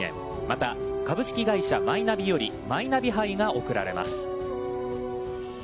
また、株式会社マイナビよりマイナビ杯が贈られます。